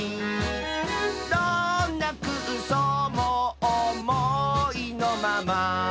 「どんなくうそうもおもいのまま」